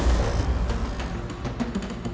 kita harus berhenti